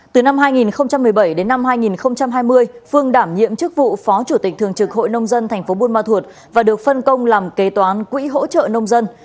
từ năm hai nghìn một mươi bảy đến năm hai nghìn hai mươi phương đảm nhiệm chức vụ phó chủ tịch thường trực hội nông dân tp buôn ma thuột và được phân công làm kế toán quỹ hỗ trợ nông dân